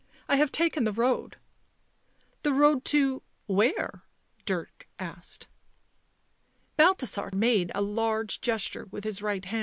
I have taken the road." " The road to — where ?" Dirk asked. Balthasar made a large gesture with his right hand.